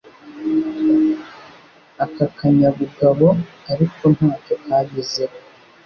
Aka kanyabugabo ariko nta cyo kagezeho,